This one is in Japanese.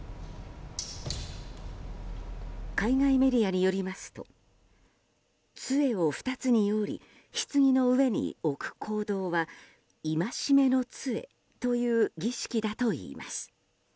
海外メディアによりますと杖を２つに折りひつぎの上に置く行動は戒めの杖という儀式だといいます。